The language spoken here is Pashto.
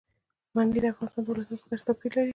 منی د افغانستان د ولایاتو په کچه توپیر لري.